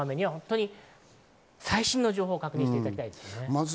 大雨に最新の情報を確認していただきたいです。